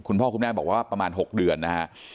คุณพ่อคุณแม่บอกว่าประมาณ๖เดือนนะฮะ